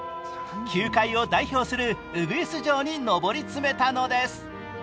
球界を代表するウグイス嬢に上り詰めたのです。